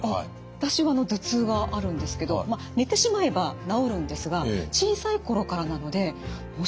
私は頭痛があるんですけどまあ寝てしまえば治るんですが小さい頃からなのでもしかすると。